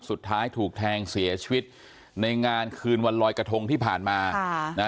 สุดท้ายถูกแทงเสียชีวิตในงานคืนวันลอยกระทงที่ผ่านมา